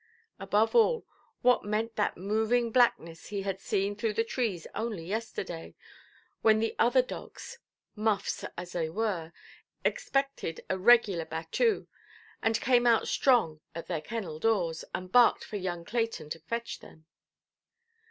Above all, what meant that moving blackness he had seen through the trees only yesterday, when the other dogs (muffs as they were) expected a regular battue, and came out strong at their kennel doors, and barked for young Clayton to fetch them?